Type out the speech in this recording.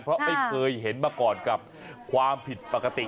เพราะไม่เคยเห็นมาก่อนกับความผิดปกติ